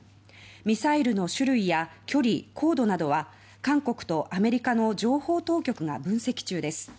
ミサイルの種類や距離高度などは韓国とアメリカの情報当局が分析中です。